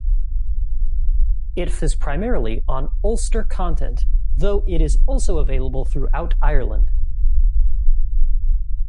It focuses primarily on Ulster content, though it is also available throughout Ireland.